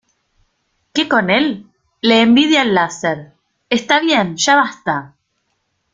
¿ Qué con él? Le envidia el láser. ¡ está bien, ya basta!